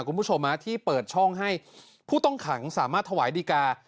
คุณผู้ชมที่เปิดช่องให้ผู้ต้องขังสามารถถวายดีกา